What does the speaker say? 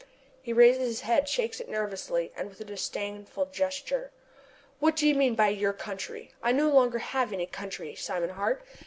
He raises his head, shakes it nervously, and with a disdainful gesture: "What do you mean by 'your country?' I no longer have any country, Simon Hart.